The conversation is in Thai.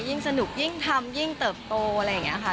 ยิ่งสนุกยิ่งทำยิ่งเติบโตอะไรอย่างนี้ค่ะ